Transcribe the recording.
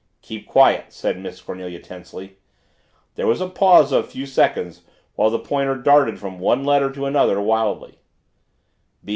"Keep quiet!" said Miss Cornelia tensely. There was a pause of a few seconds while the pointer darted from one letter to another wildly.